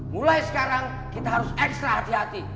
mulai sekarang kita harus ekstra hati hati